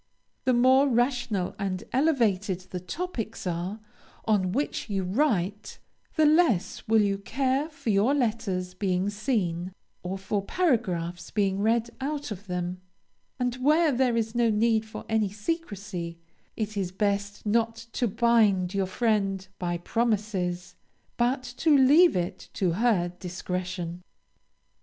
The more rational and elevated the topics are, on which you write, the less will you care for your letters being seen, or for paragraphs being read out of them; and where there is no need of any secrecy, it is best not to bind your friend by promises, but to leave it to her discretion.